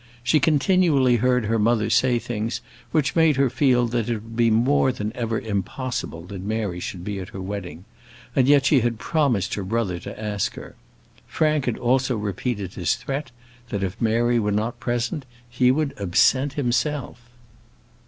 She continually heard her mother say things which made her feel that it would be more than ever impossible that Mary should be at her wedding; and yet she had promised her brother to ask her. Frank had also repeated his threat, that if Mary were not present, he would absent himself.